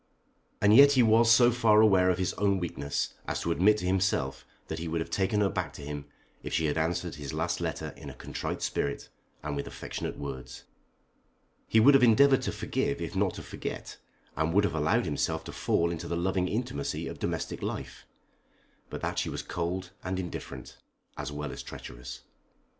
And yet he was so far aware of his own weakness, as to admit to himself that he would have taken her back to him if she had answered his last letter in a contrite spirit and with affectionate words. He would have endeavoured to forgive if not to forget, and would have allowed himself to fall into the loving intimacy of domestic life, but that she was cold and indifferent, as well as treacherous.